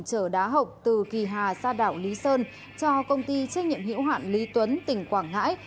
chở đá hộp từ kỳ hà ra đảo lý sơn cho công ty trách nhiệm hiệu hoạn lý tuấn tỉnh quảng ngãi